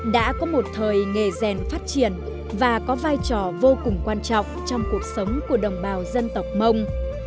đã có một thời nghề rèn phát triển và có vai trò vô cùng quan trọng trong cuộc sống của đồng bào dân tộc mông